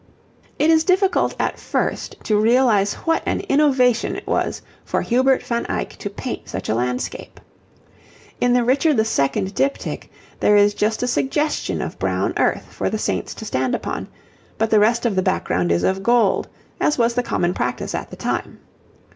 It is difficult at first to realize what an innovation it was for Hubert van Eyck to paint such a landscape. In the Richard II. diptych there is just a suggestion of brown earth for the saints to stand upon, but the rest of the background is of gold, as was the common practice at the time.